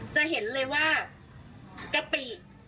จะเห็นเลยว่ากะปิ